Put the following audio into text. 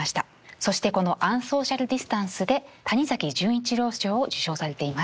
そしてこの「アンソーシャルディスタンス」で谷崎潤一郎賞を受賞されています。